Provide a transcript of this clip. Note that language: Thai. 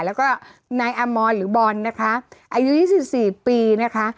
แล้วก็นายอมรหรือบอลนะคะอายุ๒๔ปีนะคะ